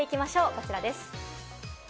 こちらです。